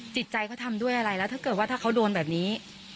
จิตใจเขาทำด้วยอะไรแล้วถ้าเกิดว่าถ้าเขาโดนแบบนี้